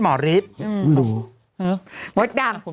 หมดดั่ง